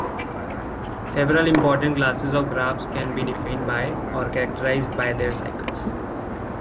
Several important classes of graphs can be defined by or characterized by their cycles.